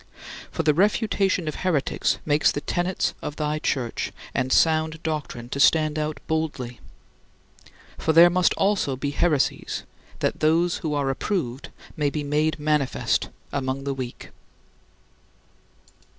For the refutation of heretics makes the tenets of thy Church and sound doctrine to stand out boldly. "For there must also be heresies [factions] that those who are approved may be made manifest among the weak."